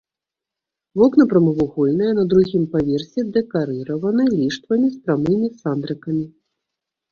Вокны прамавугольныя, на другім паверсе дэкарыраваны ліштвамі з прамымі сандрыкамі.